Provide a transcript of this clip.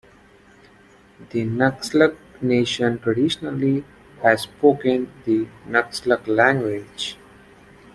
The Nuxalk Nation traditionally has spoken the Nuxalk language.